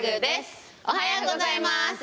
おはようございます。